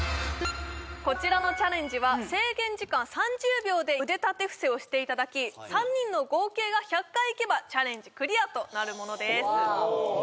こちらのチャレンジは制限時間３０秒で腕立て伏せをしていただき３人の合計が１００回いけばチャレンジクリアとなるものです